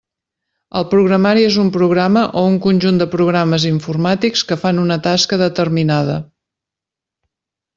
El programari és un programa o un conjunt de programes informàtics que fan una tasca determinada.